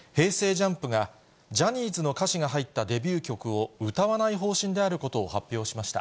ＪＵＭＰが、ジャニーズの歌詞が入ったデビュー曲を歌わない方針であることを発表しました。